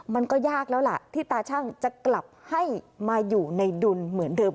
มันก็ยากแล้วล่ะที่ตาชั่งจะกลับให้มาอยู่ในดุลเหมือนเดิม